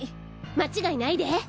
間違いないで。